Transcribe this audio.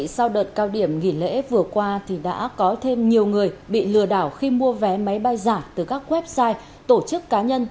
sau đợt cao điểm nghỉ lễ vừa qua đã có thêm nhiều người bị lừa đảo khi mua vé máy bay giả từ các website tổ chức cá nhân